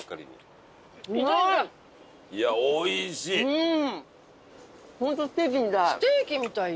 うん。